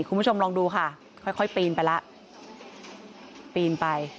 คุณผู้ชมลองดูค่ะค่อยปีนไปละ